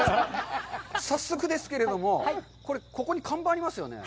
早速ですけれども、これ、ここに看板がありますよね？